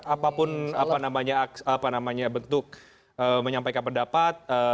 apapun apa namanya bentuk menyampaikan pendapat